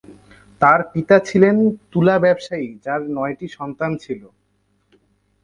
তার পিতা ছিলেন তুলা ব্যবসায়ী, যার নয়টি সন্তান ছিল।